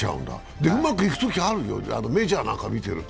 うまくいくときあるよ、メジャーなんか見てると。